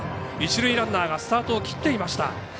一塁ランナーがスタートを切っていました。